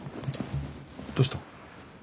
どうした？